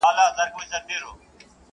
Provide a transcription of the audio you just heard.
اباسین پر څپو راغی را روان دی غاړي غاړي،